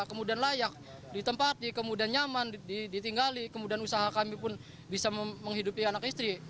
kemudian layak ditempati kemudian nyaman ditinggali kemudian usaha kami pun bisa menghidupi anak istri